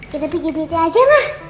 kita bikin dietnya aja lah